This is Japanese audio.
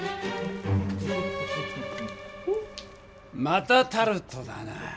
またタルトだな。